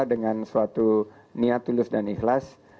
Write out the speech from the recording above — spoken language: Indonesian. dengan suatu niat tulus dan ikhlas